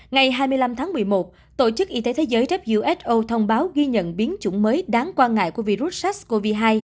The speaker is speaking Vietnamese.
ngày hai mươi năm tháng một mươi một tổ chức y tế thế giới who thông báo ghi nhận biến chủng mới đáng quan ngại của virus sars cov hai